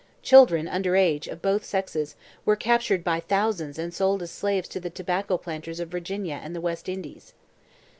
Children under age, of both sexes, were captured by thousands, and sold as slaves to the tobacco planters of Virginia and the West Indies.